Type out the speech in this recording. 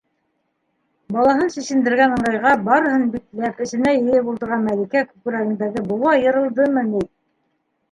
- Балаһын сисендергән ыңғайға, барыһын бикләп, эсенә йыйып ултырған Мәликә күкрәгендәге быуа йырылдымы ни!